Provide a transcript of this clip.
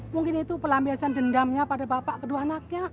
mungkin itu pelampiasan dendamnya pada bapak kedua anaknya